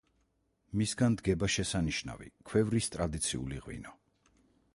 მისგან დგება შესანიშნავი ქვევრის ტრადიციული ღვინო.